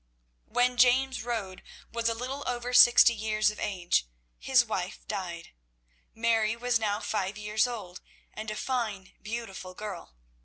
When James Rode was a little over sixty years of age his wife died. Mary was now five years old, and a fine, beautiful girl.